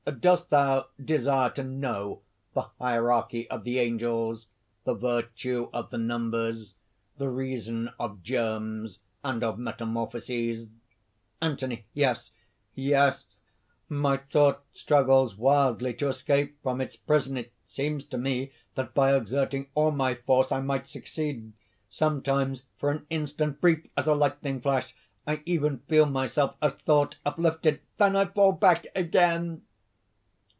Dost thou desire to know the hierarchy of the Angels, the virtue of the Numbers, the reason of germs and of metamorphoses?" ANTHONY. "Yes! yes! my thought struggles wildly to escape from its prison. It seems to me that by exerting all my force I might succeed. Sometimes, for an instant, brief as a lightning flash, I even feel myself as thought uplifted, then I fall back again!"